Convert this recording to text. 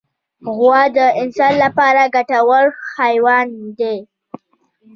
غوا د انسان لپاره ګټور حیوان دی.